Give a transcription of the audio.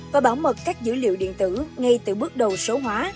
và bảo mật các dữ liệu điện tử ngay từ bước đầu số hóa